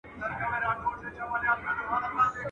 د ها بل يوه لكۍ وه سل سرونه.